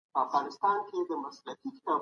که چاپېريال بدل سي تعليم هم اغېزمن کېږي.